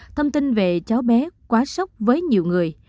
thông tin về cháu bé quá sốc với nhiều người